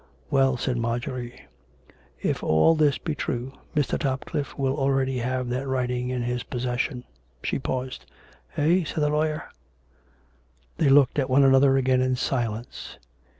" Well," said Marjorie, " if all this be true, Mr. Top cliffe will already have that writing in his possession." She paused. "Eh.''" said the lawyer. They looked at one another again in silence.